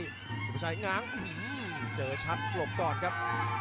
สุภาชัยง้างเจอชัดหลบก่อนครับ